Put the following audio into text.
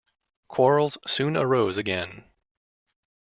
Quarrels soon arose again.